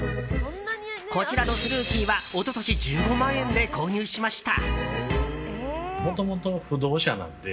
こちらのスルーキーは一昨年、１５万円で購入しました。